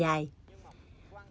vì vậy là